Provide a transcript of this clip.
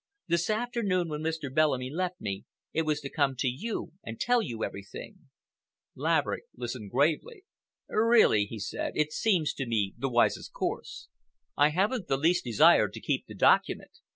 This afternoon when Mr. Bellamy left me, it was to come to you and tell you everything." Laverick listened gravely. "Really," he said, "it seems to me the wisest course. I haven't the least desire to keep the document.